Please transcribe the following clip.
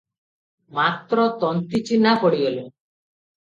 ମାତ୍ର ତନ୍ତୀ ଚିହ୍ନା ପଡ଼ିଗଲେ ।